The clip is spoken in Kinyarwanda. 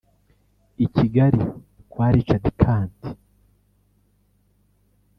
i Kigali kwa Richard Kandt